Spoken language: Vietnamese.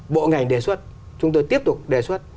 bộ ngành đề xuất chúng tôi tiếp tục đề xuất